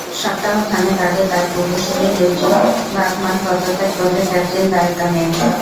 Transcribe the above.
সপ্তাহ খানেক আগে তাঁর পূর্বসূরি লুৎজ বাখমান পদত্যাগ করলে ক্যাথরিন দায়িত্ব নেন।